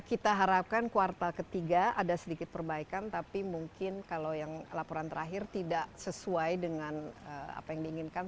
kita harapkan kuartal ketiga ada sedikit perbaikan tapi mungkin kalau yang laporan terakhir tidak sesuai dengan apa yang diinginkan